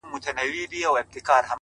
شکر چي هغه يمه شکر دی چي دی نه يمه;